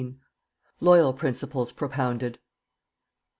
LOYAL PRINCIPLES PROPOUNDED.